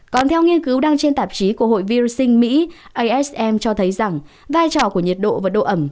còn theo nghiên cứu đăng trên tạp chí của hội viricing mỹ asm cho thấy rằng vai trò của nhiệt độ và độ ẩm